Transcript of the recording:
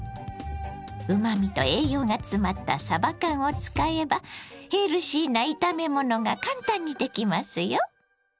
うまみと栄養が詰まったさば缶を使えばヘルシーな炒め物が簡単にできますよ！